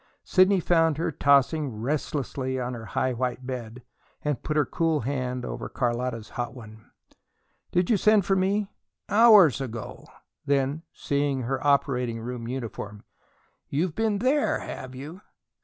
Sidney found her tossing restlessly on her high white bed, and put her cool hand over Carlotta's hot one. "Did you send for me?" "Hours ago." Then, seeing her operating room uniform: "You've been THERE, have you?"